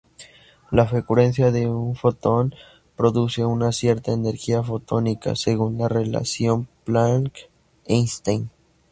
La frecuencia de un fotón produce una cierta energía fotónica, según la relación Planck-Einstein.